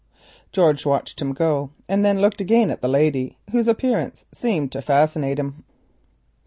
George watched him go, and then looked again at the lady, whose appearance seemed to fascinate him.